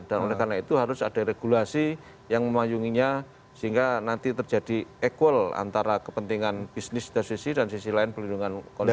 dan oleh karena itu harus ada regulasi yang memayunginya sehingga nanti terjadi equal antara kepentingan bisnis di satu sisi dan di sisi lain pelindungan konsumen